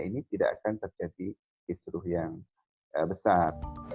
ini tidak akan terjadi kisruh yang besar